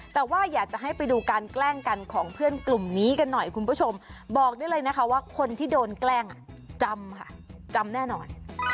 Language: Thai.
แต่ว่าอยากจะให้ไปดูการแกล้งกันของเพื่อนกลุ่มนี้กันหน่อยคุณผู้ชมบอกได้เลยนะคะว่าคนที่โดนแกล้งจำค่ะจำแน่นอน